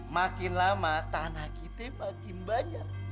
makin lama tanah kita makin banyak